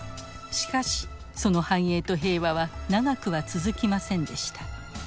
しかしその繁栄と平和は長くは続きませんでした。